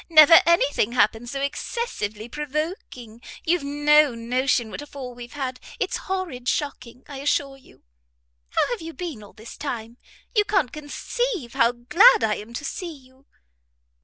Never any thing happened so excessively provoking; you've no notion what a fall we've had. It's horrid shocking, I assure you. How have you been all this time? You can't conceive how glad I am to see you."